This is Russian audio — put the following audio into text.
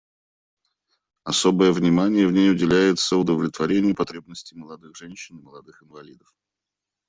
Особое внимание в ней уделяется удовлетворению потребностей молодых женщин и молодых инвалидов.